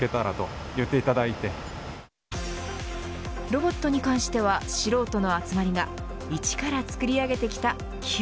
ロボットに関しては素人の集まりが１から作り上げてきたＣＵＥ。